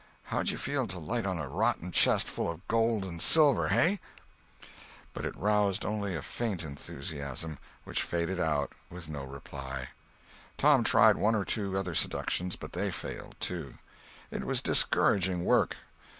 How'd you feel to light on a rotten chest full of gold and silver—hey?" But it roused only faint enthusiasm, which faded out, with no reply. Tom tried one or two other seductions; but they failed, too. It was discouraging work.